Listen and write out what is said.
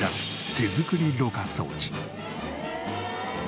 手作りろ過装置。